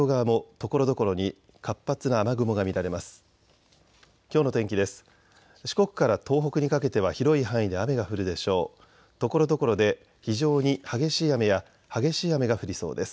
ところどころで非常に激しい雨や激しい雨が降りそうです。